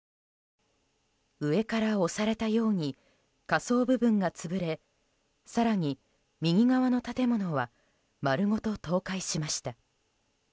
上から押されたように下層部分が潰れ更に右側の建物は丸ごと倒壊しました。